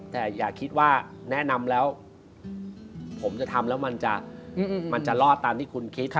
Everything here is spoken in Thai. แต่อย่าคิดว่าแนะนำแล้วผมจะทำแล้วมันจะรอดตามที่คุณคิด